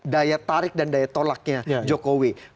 daya tarik dan daya tolaknya jokowi